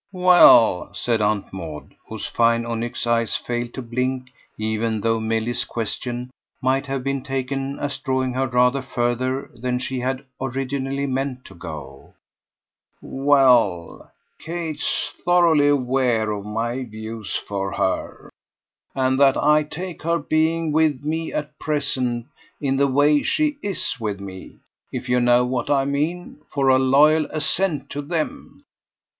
"Well," said Aunt Maud, whose fine onyx eyes failed to blink even though Milly's questions might have been taken as drawing her rather further than she had originally meant to go "well, Kate's thoroughly aware of my views for her, and that I take her being with me at present, in the way she IS with me, if you know what I mean, for a loyal assent to them.